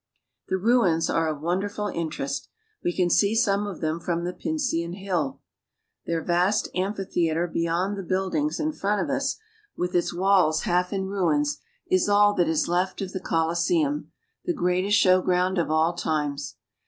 The ruins are of wonderful interest. We can see some of them from the Pincian Hill. That vast amphitheater "— all that is left of the Coliseum." beyond the buildings in front of us, with its walls half in ruins, is all that is left of the Coliseum, the greatest show ground of all times.